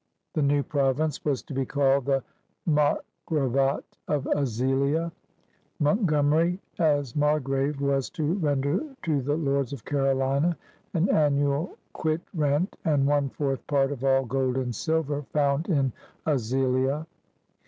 The new province was to be called the Margravate of Azilia. Mountgomery, as Margrave, was to render to the Lords of Carolina an annual quit rent and one fourth part of all gold and silver found in Azilia.